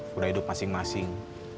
sudah hidup masing masing